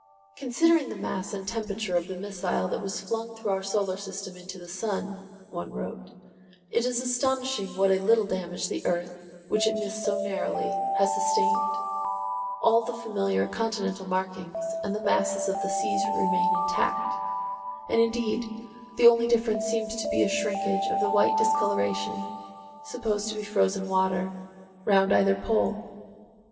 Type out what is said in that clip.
"Considering the mass and temperature of the missile that was flung through our solar system into the sun," one wrote, "it is astonishing what a little damage the earth, which it missed so narrowly, has sustained. All the familiar continental markings and the masses of the seas remain intact, and indeed the only difference seems to be a shrinkage of the white discoloration (supposed to be frozen water) round either pole."